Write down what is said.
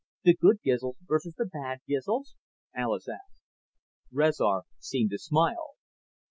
"The Good Gizls versus the Bad Gizls?" Alis asked. Rezar seemed to smile.